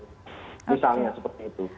misalnya seperti itu